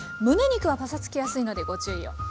むね肉はパサつきやすいのでご注意を。